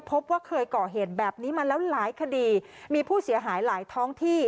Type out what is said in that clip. พบว่าเคยก่อเหตุแบบนี้มาแล้วหลายคดีมีผู้เสียหายหลายท้องที่